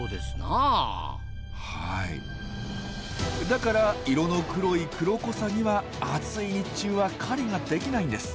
だから色の黒いクロコサギは暑い日中は狩りができないんです。